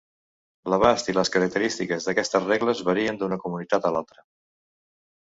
L'abast i les característiques d'aquestes regles varien d'una comunitat a l'altra.